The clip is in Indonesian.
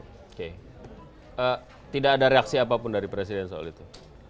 oke tidak ada reaksi apapun dari presiden soal itu